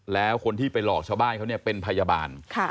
แล้วคนที่ไปหลอกชาวบ้านเขาเนี่ยเป็นพยาบาล